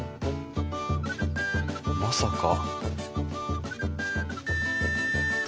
まさか。